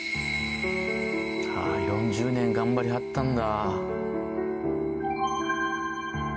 ４０年頑張りはったんだ。